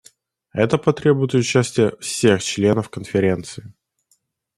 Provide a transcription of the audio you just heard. Это потребует участия всех членов Конференции.